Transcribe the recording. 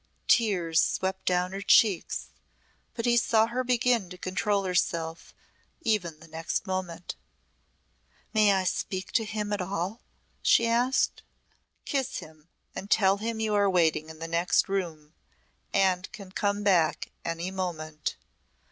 Tears swept down her cheeks but he saw her begin to control herself even the next moment. "May I speak to him at all?" she asked. "Kiss him and tell him you are waiting in the next room and can come back any moment.